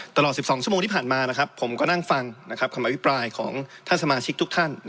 ตลอด๑๒ชั่วโมงที่ผ่านมาผมก็นั่งฟังคำอภิปรายของท่านสมาชิกทุกท่าน